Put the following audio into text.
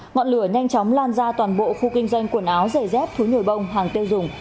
ngọn lửa nhanh chóng lan ra toàn bộ khu kinh doanh quần áo giày dép thú nhồi bông hàng tiêu dùng